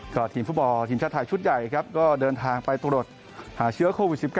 ก็ทีมฟุตบอลทีมชาติไทยชุดใหญ่ครับก็เดินทางไปตรวจหาเชื้อโควิด๑๙